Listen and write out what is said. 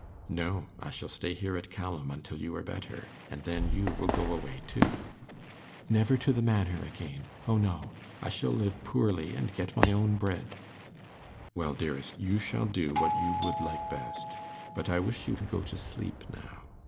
'No, I shall stay here at Callam until you are better, and then you will go away too.' 'Never to the Manor again, O no! I shall live poorly, and get my own bread.' 'Well, dearest, you shall do what you would like best. But I wish you could go to sleep now.